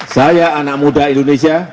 saya anak muda indonesia